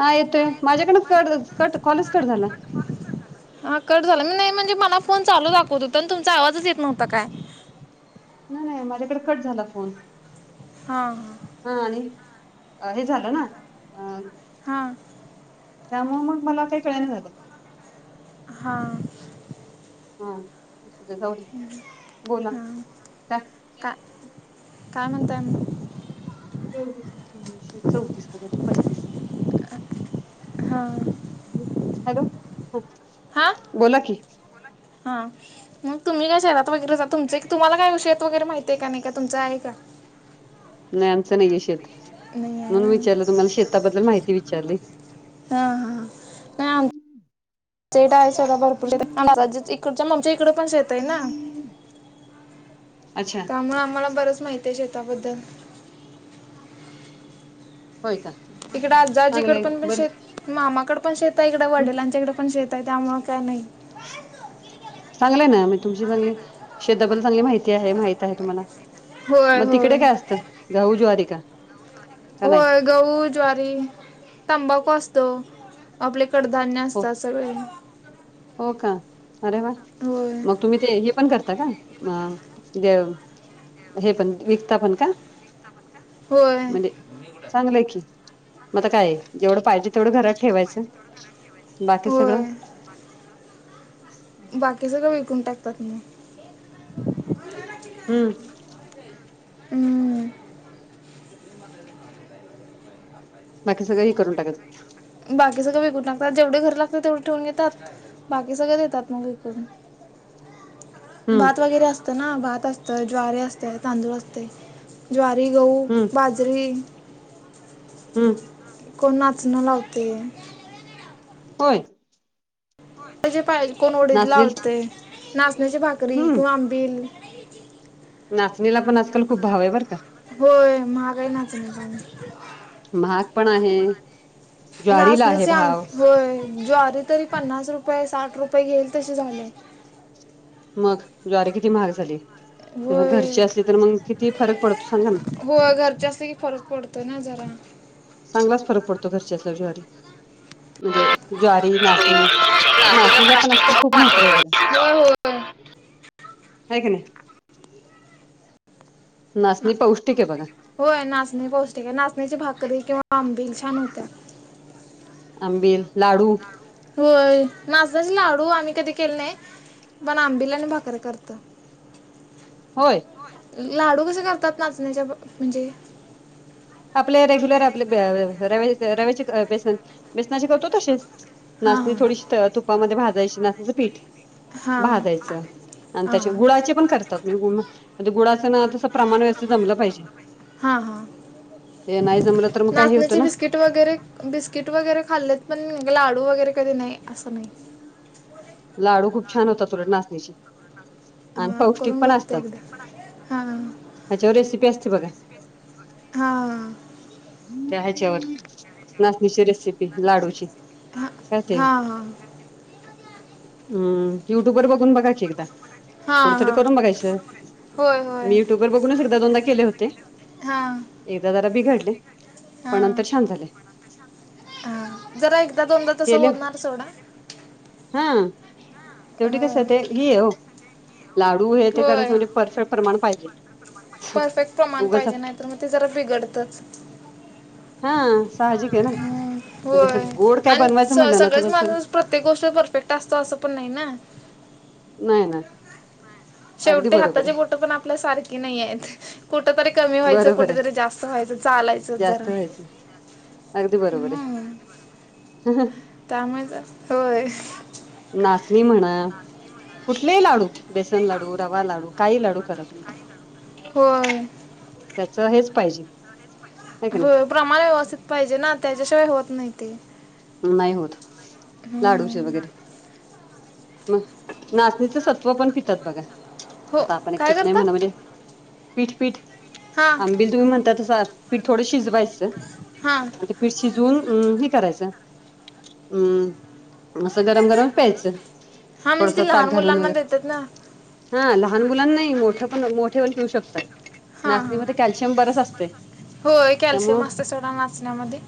हा येतोय. माझ्याकडनच कट कट कॉलच कट झाला. हा कट झाला. नाही म्हणजे मला फोन चालू दाखवत होता. आणि तुमचा आवाजच येत नव्हता काय. नाय नाय. माझ्याकडे कट झाला फोन. हां हा. हा आणि हे झालं ना. अ हां. त्यामुळे मग, मला काही कळेना झालं. हा. हा असुदे जाऊदे. बोला काय? का, काय म्हणताय म? चोवीस, तीनशे, चौतीस हजार. पस्तीस. हा हॅलो ह हा बोला कि हा मग तुम्ही काय शहरात वगैरे राहता तुम्हाला काय शेत वगैरे माहती हाय का नाही का तुमचं आहे का नाही आमचं नाहीये शेत नाही आहे म्हणून व्हय. विचारलं तुम्हाला शेताबद्दल माहिती विचारली हा हा नाही आमच शेत आहे सोडा भरपूर आमच्या मम्मीच्या इकडे शेत आहे ना अच्छा त्यामुळे आम्हाला बरच माहती आहे शेताबद्दल होय का इकडे आजा आजीकडे चांगलंय पण पण बरं शेत मामाकड पण शेत आहे इकडे वडिलांच्याकडे पण शेत तर त्यामुळं काय नाही. [inaudible] चांगलंय ना मी तुमची चांगली शेता बद्दल चांगली माहिती आहे माहती आहे तुम्हाला होय मग होय तिकडे काय असतं गहू ज्वारी का का नाही होय गहू ज्वारी तंबाखू असतो आपले कडधान्य हो असतात सगळे हो का अरे वा होय. मग तुम्ही ते हे पण करता का हे पण विकता पण का होय म्हणजे चांगलंय की म आता काय जेवढं पाहिजे तेवढं घरात ठेवायचं बाकी सगळं होय बाकी सगळं विकून टाकतात मग हम्म हम् बाकी सगळं हे करून टाकच बाकी सगळं विकून टगतात जेवढे घरी लागतात तेवढे ठेवून घेतात बाकी सगळं देतात मग विकून हम् [unintelligible] हम्म भात वगैरे असतं ना भात असतं ज्वारी असते तांदूळ असते. ज्वारी गहू हम्म बाजरी ह कोन नाचन लावतंय होय म्हणजे पायजे तर कोण उडीद नाचणी लावतंय नाचण्याची भाकरी हम्म किंवा आंबिल नाचणीला पण आजकाल खूप भाव आहे बरं का होय महागाय नाचणी पण महाग पण आहे. ज्वारीला आहे नाचण्याचे आम भाव होय ज्वारी तरी पन्नास रुपये साठ रुपये घेईल तसे झाले. मग ज्वारे किती महाग झाली होय घरची असली तर मग किती फरक पडतो सांगा ना. हो घरचे असले की फरक पडतो ना जरा चांगलाच फरक पडतो घरची असल्यावर ज्वारी म्हणजे ज्वारी नाचणी नाचणीला पण आज काल खूप महत्त्व आहे बघा ह होय कनाही ना नाचनी पौष्टिक आहे बघा होय नाचणी पौष्टिक आहे नाचण्याची भाकरी किंवा आंबील छान होत्या आंबेल लाडू होय नाचण्याचे लाडू आम्ही कधी केले नाही पण आंबील आणि भाकरी करतो [inaudible] होय लाडू कसे करतात नाचण्याच्या पण म्हणजे आपले रेग्युलर आपले र रव्याचे बेसन बेसनाचे कतो तसेच. हां नाचणी हां थोडीशी तुपामध्ये भाजायची नाचणीचं पीठ हां भाजायचं. आणि हां त्याच्या गुळाचे पण करतात मी म्ह गुळाचं ना तसं प्रमाण व्यवस्थित जमलं पाहिजे. हा हा ते नाही जमलं तर मग काय हे होतं नाचण्याची ना बिस्किट. वगैरे बिस्किट वगैरे खाल्लेत पण लाडू वगैरे कधी नाही असं नाही. लाडू खूप छान होता उलट नाचणीचे. आणि हा पौष्टिक करून बघते एकदा हा. याच्यावर रेसीपी असते बघा. हा आ. त्या ह्याच्यावर नाचणीची रेसिपी लाडूची. काय ते? हां हां हम्म युट्युब वर बघून बघायची एकदा थोडी हां तर हां करून बघायच. होय होय मी युट्युबर बघूनच, एकदा दोनदा केले होते. हां एकदा जरा बिघडले. पण नंतर छान झाले. हा जरा एकदा दोनदा तस केले होणार सोडा. हा शेवटी कस हं. ते घी हाय ओ. लाडू हे ते करायचं होय म्हणजे परफेक्ट प्रमाण पाहिजे, परफेक्ट प्रमाण उगच पाहिजे नाही तर मग ते जरा बिघडतच. हा साहजिक आहे ना, हं. म्हणजे अस होय गोड काय आणि बनवायचं स म्हटलं ना सगळेच तर सगळं. माणूस प्रत्येक गोष्ट परफेक्ट असतो असं पण नाही ना. नाही ए ना. अगदी शेवटी बरोबर हाताची आहे बोट पण आपल्या सारखे नाहीएत. कुठ तरी कमी व्हायचं बरोबर आहे कुठेतरी जास्त व्हायचं चालायचंच जरा. जास्त व्हायचं अगदी बरोबर हाय. त्यामुळेच अ होय. नाचणी म्हणा कुठलेही लाडू. बेसन लाडू, रवा लाडू, काही लाडू करा तुम्ही होय त्याच हेच पाहिजे. आहे की होय नाही प्रमाण व्यवस्थित पाहिजे ना, त्याच्याशिवाय होत नाही ते. नाही होत, लाडूचे हम्म वगैरे मग नाचणीच सत्व पण पितात बघा. हो आता आपण एक काय पित नाही करता म्हणा म्हणजे पीठ पीठ हां आंबिल. तुम्ही म्हणता तसं पीठ थोडं शिजवायचं, हां ते पीठ शिजवून हे करायचं. हम्म. आसं गरम गरम प्यायचं हां म्हणजे थोडस ते लहान ताक घालून मुलांना वगैरे देतात ना हा लहान मुलांना नाही मोठे पण मोठे व पिऊ शकतात. हां नाचणीमध्ये हां कॅल्शियम बरच असतय होय कॅल्शियम त्यामुळं असतं सोडा नाचण्यामध्ये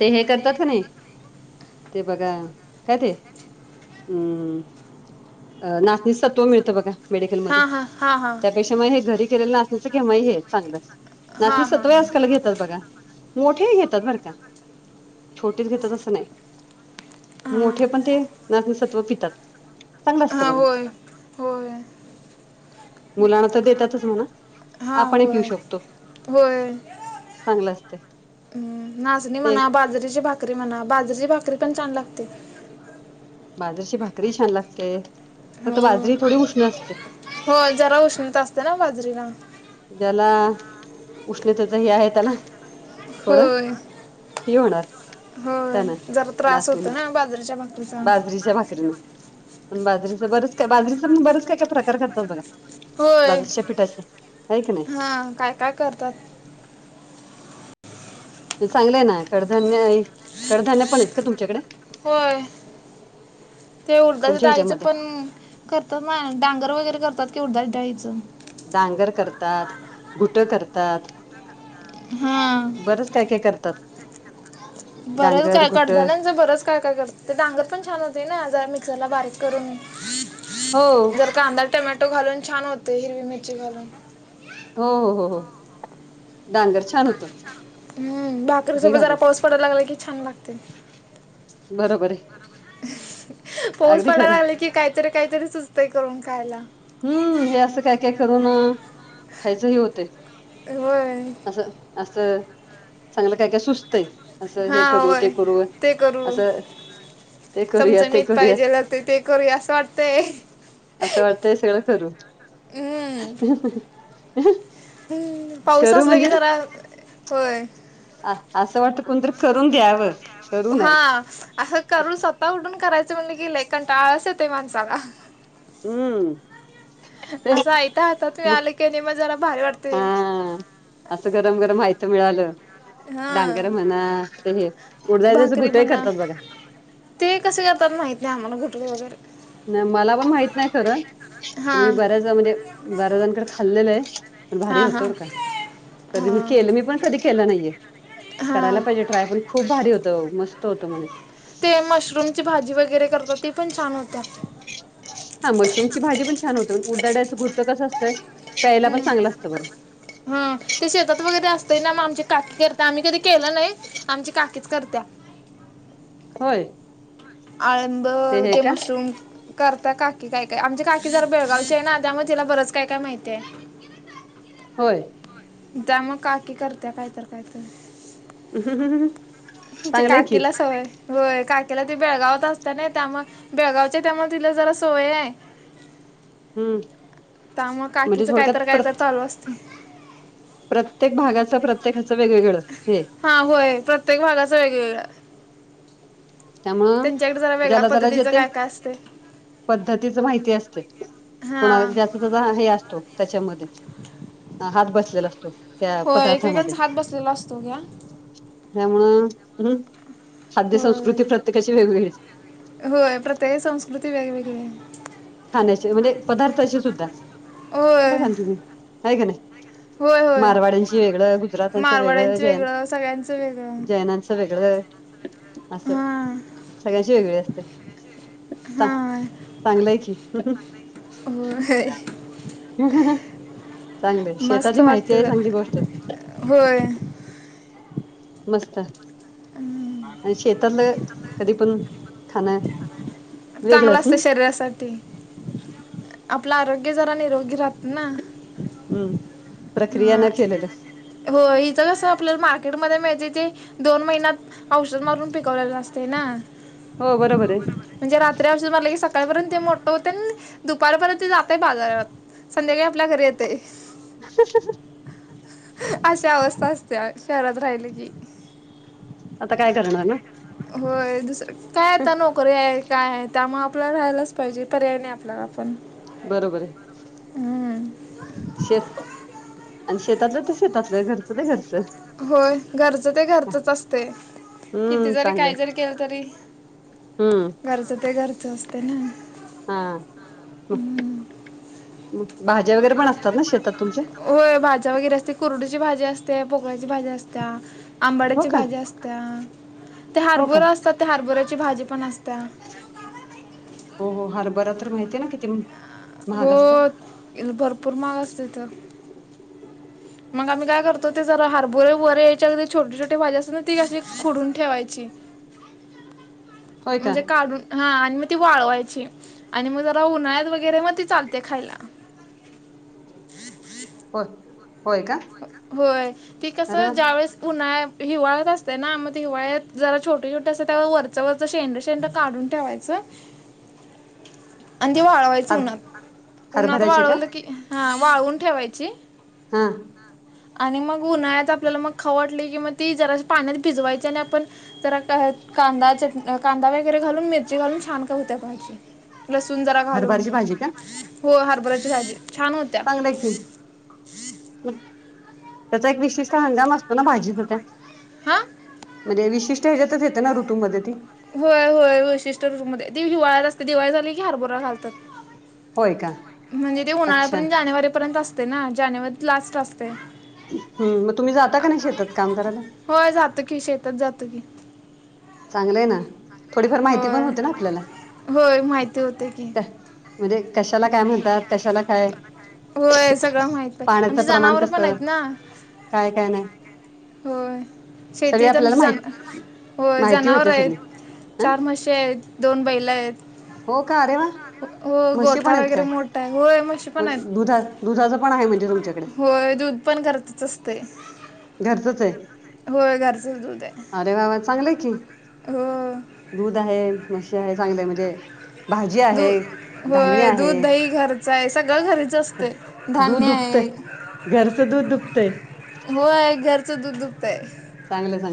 ते हे करतात का नाही. ते बघा काय ते हूम्म. नाचणी सत्त्व मिळत बघा, मेडिकलमध्ये. हां हां हां हां पैशा मुळ हे घरी केलेलं नाचण्याचं केव्हाही हे चांगलंच, हां नाचणी हां हां सत्त्व आजकाल घेतात बघा. मोठे ही घेतात बरं का? छोटेच घेतात असं नाही, हां मोठे पण ते नाचणीसत्व पितात. चांगलं असतं हा बघा होय होय. मुलांना तर देतातच म्हणा, हां आपणही पिऊ होय शकतो. चांगलं असतय. हम् नाचणी म्हणा, बाजरीची भाकरी म्हणा, बाजरीची भाकरी पण छान लागते. बाजरीची भाकरी छान लागते. फक्त हो बाजरी थोडी उष्ण असते. होय जरा उष्णता असते ना बाजरीला. ज्याला उष्णतेचा हे आहे त्याला. थोडं होय. हे होणार होय त्यानं जरा त्रास होतो नाचणीनं ना, बाजारीच्या भाकरीचा. बाजरीच्या भाकरीन, अन् बाजरीच बरेच काय बाजरीच पण बरेच काय काय प्रकार करतात बघा. होय बाजरीच्या पिठाचे आहे की नाही हा काय काय करतात. हे चांगलंय ना कडधान्य, कडधान्य पण आहेत का तुमच्याकडे? होय ते उडदाच्या तुमच्या डाळीचं ह्याच्यामध्ये पण करतात मा डांगर वगैरे करतात की उडात डाळीचं डांगर करतात घुट करतात हां बरच काय काय करतात. बरंच डांगर काय घुट कदानाच बरच काय काय करत ते डांगर पण छान होते ना जरा मिक्सर ला बारीक करून हो जर कांदा टोमॅटो घालून छान होते हिरवी मिरची घालून हो हो हो हो डांगर छान होतं हम्म हे भाकरीसोबत जरा घालून पाऊस पडायला लागला कि छान लागते. बरोबर आहे पाोस अगदी पडायला खरं आहे लागले कि काहीतरी काहीतरी सुचतंय करून खायला हम्म हे असं काय काय करून खायचं ह होत होय असं असं चांगलं काय काय सुस्तय-' असं हा हे करू होय ते करू ते करू असं ते करूया ते चमचमीत करूयात पाहिजेल ते ते करूया असं वाटतंय असं वाटतं हे सगळं करू हम्म हम्म पाऊस करू असला कि म्हणजे जरा होय अ असं वाटत कोणतरी करून द्यावं करू हा नये. असं करू स्वतः उठून करायचं म्हणले गेलं कण टाळस येतय माणसाला हम्म ते असं ऐता आता तुम्ही म आल की नाही मजाला भारी वाटते हा असं गरम गरम माहती मिळालं डांगर हा म्हणा ते हे उडदाय जसं भाकरी घुटही म्हणा करतात बघा ते कसे करातात माहित नाही आम्हाला घुटळे वगैरे मला पण माहित नाही खरं हा पण मी बऱ्याज म बार्या जांकडे खाल्लेल आहे पण भारी हा हा होतो बर का कधी मी हा केलं मी पण कधी नाही हा करायला पाहिजे ट्राय पण खूप भारी होत मस्त होत म्हणे ते मशरूम ची भाजी वगैरे करतात ते पण छान होतात हा मशरूमची भाजी प ान होते प उडड्याचं घुडचं कस असतंय प्यायला पण चांगलं असतं बघा हम्म हा ते शेतात वगैरे असतेय ना मग आमची काकी करते आम्ही कधी केलं नाही आमची काकीच करत्या होय आळब हे ते का मशरूम करता काकी काय काय आमची काकी जर बेळगावचे आहे ना त्यामुळे तिला बरंच काय काय माहितीय आहे ह [unintelligible] होय त्या मग काकी करत्या कायत कायतरी ह हं हं [unintelligible] म्हणजे काकीला सवय होय काकी्याला त बेळगावात असत ना त्यामुळे बेळगावच्या त्यामुळे तिला जरा सवय आहे हम्म त्यामु म्हणजे काकीच थोडक्यात कायतर कायतर प्रत चालू असते प्रत्येक भागाच प्रत्येकाचं वेगवेगळं हे हा होय प्रत्येक भागाच वेगवेगळ त्यामुळं त्यांच्याकडे जरा वेगळ्या ज्याला त्याला जे पद्धतीचं ते काय काय असते पद्धतीच माहिती असते हा कोणालाच हे असतो त्याच्यामध्ये हात बसलेला असतो. त्या हो पदार्थामध्ये एकेकांचा हात बसलेला असतो घ्या. त्यामुळं हम्म खाद्य होय संस्कृती प्रत्येकाची वेगवेगळी. होय प्रत्येक संस्कृती वेगवेगळी. खाण्याचे म्हणजे पदार्थाचे सुद्धा होय बघा ना तुम्ही का का नाही. होय होय मारवाड्यांची वेगळं गुजरातांचं वेगळं मारवाड्यांचं जैन सगळ्यांचं वेगळं जैनाच च वेगळ असं हां सगळ्यांची वेगळी असत्यात. चां चांगलंय की. अ होय चांगलंय शेताची मस्त माहिती वाटतं आहे चांगली जरा गोष्ट आहे. होय. मस्त अच शेतातलं कधी पण खाणं चांगलं वेगळंच असत ना शरीरासाठी. आपलं आरोग्य जरा निरोगी राहत ना. हम्म. प्रक्रिया हा न केलेलं हो हित कस आपल्याला मार्केट मध्ये मिळते ते दोन महिन्यात औषध मारून पिकवलेला असते ना. हो बरोबर आहे. म्हणज रात्री औषध मारल की सक तावरण ते मोठ होते आणि दुपारपर्यंत ते जातय बाजारात संध्याकाळी आपल्या घरी येतय ह ह ह अशी अवस्था असते शहरात राहिली की. आता काय करणार ना? होय दुसरं काय आता न करू हाय काय आहे त्यामुळे आपल्याला राहायलाच पाहिजे पर्याय नाही आपल्याला पण. बरोबर आहे हम्म. शेत आणि शेतातलं तर शेतातलं घर तर घरर्च होय घरच ते घरचच असतय, किती हम्म जरी चांगलंय काही जरी केलं तरी हम्म. घरचं ते घरचं असते ना. हा हम्म. म भाज्या वगैरे पण असतात ना शेतात तुमच्या? होय भाज्या वगैरे असते कुरडीची भाजी असते पोकळ्याची भाजी असत्या हो आंबाड्याची का भाजी असते. त्या ते हो का हरबोरा असता त्या हरबोर्याची भाजी पण असत्या. हो हो हरभरा तर माहिती आहे ना किती म हो भरपूर महाग असते तथं मग आम्ही काय करतो ते जरा हरभुरे वरे यायच्या छोटी छोटी भाजी असते ना ती अशी खुडून ठेवायची. होय का म्हणजे काढून हा आणि मग ती वाळवायची आणि मग जरा उन्हाळ्यात वगैरे मग ती चालते खायला. होत. होय का? होय ती अरे वा कसं ज्यावेेळेस उन्हाळ्यात हिवाळ्यात असते ना मग हिवाळ्यात जरा छोटे छोटे असते त्यावर वरच वर शेंड शेंड काढून ठेवायच आणि ते वाळवायचं. च हर उन्हात उन्हात हरभऱ्याचे का वाळवलं की हा वाळवून ठेवायची. हा. आणि मग उन्हाळ्यात आपल्याला मग खाऊ वाटली, की मग ती जरा पाण्यात भिजवायची आणि आपण तर कांदा चट कांदा वगैरे घालून मिरची घालून छान का होत्या भाजी. लसूण जरा घालून हरभराची भाजी का हो हरभराची भाजी छान होते. आलयकी, [unintelligible] त्याचा एक विशिष्ट हंगाम असतो ना भाजीचा त्या? हा म्हणजे विशिष्ट ह्याच्यातच येत ना ऋतूमध्ये ती? होय होय विशिष्ट रूतूमध्ये, तीं हिवाळ्यात असते, दिवाळी झाली की हरबरा घालतात. होय का? म्हणजे ते अच्छा उन्हाळ्यापर्यंत जानेवारीपर्यंत असते ना जानेवारीत लास्ट असते. हम् मग तुम्ही जाता का, नाही शेतात काम करायला? हो य जातो की, शेतात जातो की. चांगलंय ना थोडीफार माहिती पण होय होते ना आपल्याला, होय माहिती होते की का. म्हणजे कशाला, काय म्हणतात? कशाला काय, होय सगळं पाण्याचं प्रमाण कसं? ह [unintelligible] काय काय नाय? होय, शेतीत आमची जा माहित होय माहिती जनावर होते येत, सगळी हा चार म्हशी येत, दोन बैला येत. हो का? अरे वा. हो म्हशी पण गोठा आहेत वगैरे का मोठाय, होय मशी पण आहेत, मग दुधा दुधाचं पण आहे म्हणजे तुमच्याकडे [unintelligible] होय दुध पण घरचच असतय. घरचच ये. होय घरचच दूध ये, चांगलंय की [unintelligible] होय. दूध आहे, मशी आहे, चांगलंय म्हणजे. भाजी आहे, दूध धान्य होय आहे, दूध दही घरचं आहे सगळं घरीच असते धान्य दूध आहे उपतय. घरच दूध दुपतय. हो आहे घरचं दूध दुबतय. चांगल, चांग